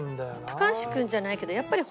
高橋君じゃないけどやっぱり。